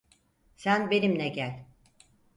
Sen benimle gel.